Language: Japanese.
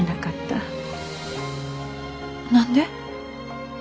何で？